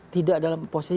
tidak dalam posisi